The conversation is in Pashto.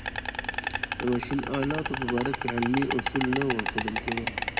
د ماشین آلاتو په باره کې علمي اصول نه ورښودل کېدل.